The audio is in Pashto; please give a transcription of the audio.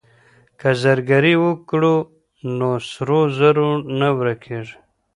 که زرګري وکړو نو سرو زرو نه ورکيږي.